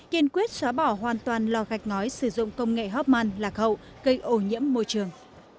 kiên quyết xóa bỏ hoàn toàn lò gạch ngói sử dụng công nghệ hopman lạc hậu gây ổ nhiễm môi trường